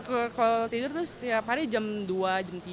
kalau tidur itu setiap hari jam dua jam tiga